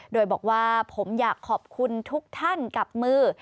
โดยบอกว่าผมอยากขอบคุณทุกท่านกับมือ